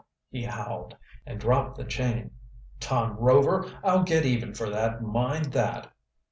he howled and dropped the chain. "Tom Rover, I'll get even for that, mind that!"